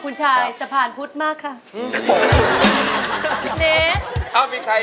คุณชายสะผาญพุทแพ้มากกครับ